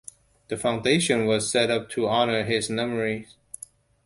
The foundation was set up to honor his memory.